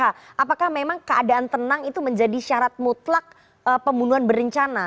apakah memang keadaan tenang itu menjadi syarat mutlak pembunuhan berencana